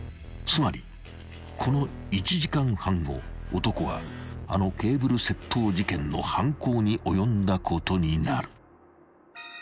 ［つまりこの１時間半後男はあのケーブル窃盗事件の犯行に及んだことになる］